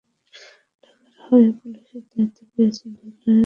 ঢাকার হাইওয়ে পুলিশের দায়িত্ব পেয়েছেন রেলওয়ে রেঞ্জে থাকা ডিআইজি মল্লিক ফখরুল ইসলাম।